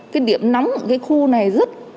cái điểm nóng ở cái khu này rất